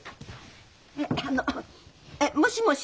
あのもしもし？